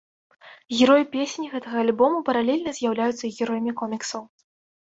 Героі песень гэтага альбома паралельна з'яўляюцца і героямі коміксаў.